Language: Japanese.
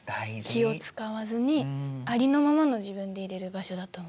気を遣わずにありのままの自分でいれる場所だと思います。